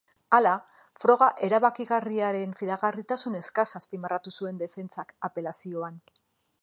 Hala, froga erabakigarriaren fidagarritasun eskasa azpimarratu zuen defentsak apelazioan.